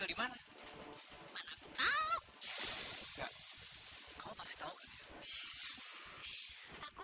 fatima gak mau ngerepotin aku